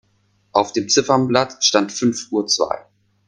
Auf dem Ziffernblatt stand fünf Uhr zwei.